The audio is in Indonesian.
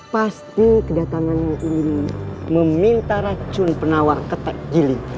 pasti kedatanganmu ini meminta racun penawar ketak jiling